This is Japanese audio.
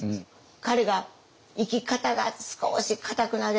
彼が生き方が少しかたくなで。